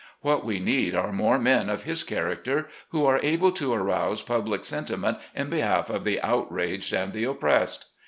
What we need are more men of his character who are able to arouse public sentiment in behalf of the outraged and the oppressed.